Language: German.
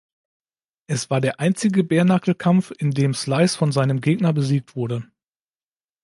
Es war der einzige "Bare-knuckle"-Kampf, in dem Slice von seinem Gegner besiegt wurde.